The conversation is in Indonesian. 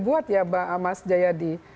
buat ya mas jayadi